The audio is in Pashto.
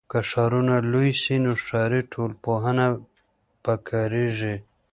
که ښارونه لوی سي نو ښاري ټولنپوهنه پکاریږي.